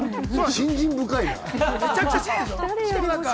信心深いな。